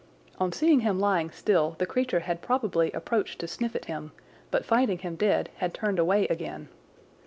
On seeing him lying still the creature had probably approached to sniff at him, but finding him dead had turned away again.